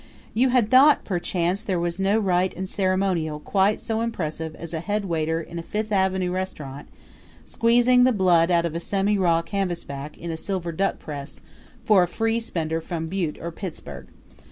You had thought, perchance, there was no rite and ceremonial quite so impressive as a head waiter in a Fifth Avenue restaurant squeezing the blood out of a semi raw canvasback in a silver duck press for a free spender from Butte or Pittsburgh.